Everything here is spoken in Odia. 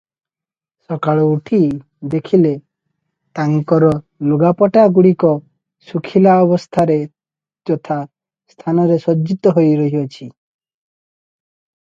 ସକାଳୁ ଉଠି ଦେଖିଲେ, ତାଙ୍କର ଲୁଗାପଟା ଗୁଡ଼ିକ ଶୁଖିଲା ଅବସ୍ଥାରେ ଯଥା ସ୍ଥାନରେ ସଜ୍ଜିତ ହୋଇ ରହିଅଛି ।